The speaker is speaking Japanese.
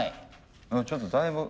ちょっとだいぶ。